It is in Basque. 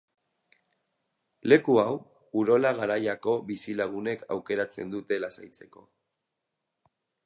Leku hau Urola Garaiako bizilagunek aukeratzen dute lasaitzeko.